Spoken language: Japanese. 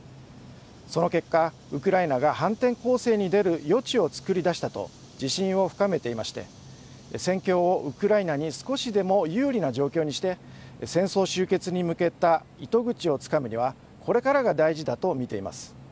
その結果ウクライナが反転攻勢に出る余地を作り出したと自信を深めていまして戦況をウクライナに少しでも有利な状況にして戦争終結に向けた糸口をつかむにはこれからが大事だと見ています。